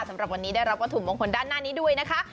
สำหรับวันนี้ได้รับวัตถุมงคลด้านหน้านี้ด้วยนะคะ